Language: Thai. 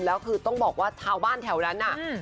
แล้วคือต้องบอกว่าชาวบ้านแถวนั้นน่ะ